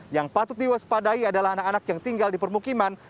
yang patut diwaspadai adalah anak anak yang tinggal di permukiman